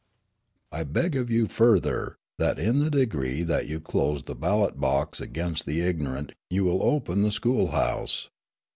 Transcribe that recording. "I beg of you, further, that in the degree that you close the ballot box against the ignorant you will open the school house.